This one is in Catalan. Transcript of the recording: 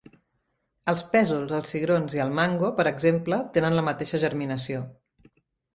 Els pèsols, els cigrons i el mango, per exemple, tenen la mateixa germinació.